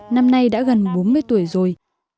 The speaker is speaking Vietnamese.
năm nay đã gần bốn mươi tuổi rồi